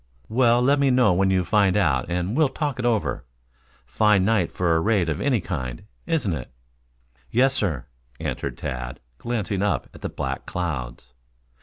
"Well, let me know when you find out and we will talk it over. Fine night for a raid of any kind, isn't it?" "Yes, sir," answered Tad, glancing up at the black clouds.